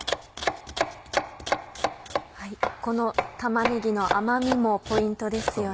この玉ねぎの甘みもポイントですよね。